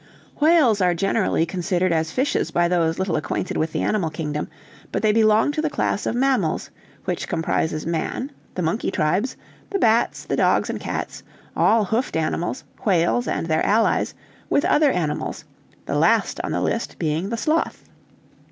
"Whales are generally considered as fishes by those little acquainted with the animal kingdom, but they belong to the class of mammals, which comprises man, the monkey tribes, the bats, the dogs and cats, all hoofed animals, whales and their allies, with other animals, the last on the list being the sloth.